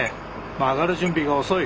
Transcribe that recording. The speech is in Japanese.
曲がる準備が遅い。